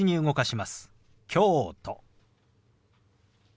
「京都」。